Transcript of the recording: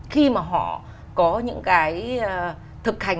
khi mà họ có những cái thực hành